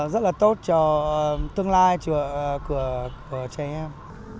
rất là tốt cho tương lai của trẻ em